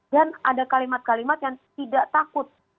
dan ada kalimat kalimat yang tidak takut